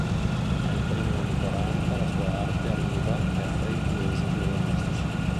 Ai primi anni quaranta la sua arte arriva a freddi esiti realistici.